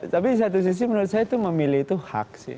tapi di satu sisi menurut saya itu memilih itu hak sih